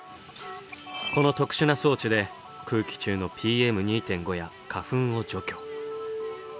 この特殊な装置で空気中のＰＭ２．５や花粉を除去。